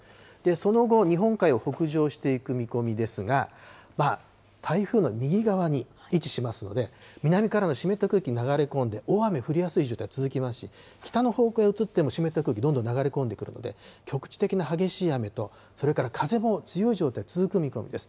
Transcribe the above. その後、日本海を北上していく見込みですが、台風の右側に位置しますので、南からの湿った空気流れ込んで、大雨降りやすい状態続きますし、北の方向へ移っても、湿った空気、どんどん流れ込んでくるので、局地的な激しい雨と、それから風も強い状態、続く見込みです。